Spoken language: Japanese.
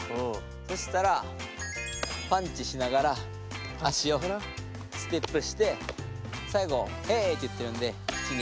そしたらパンチしながら足をステップしてさいごヘーイって言ってるんで口に。